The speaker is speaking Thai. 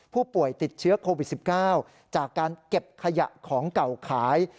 ผู้ป่วยติดเชื้อโควิด๑๙จากการเก็บขยะของเก่าขาย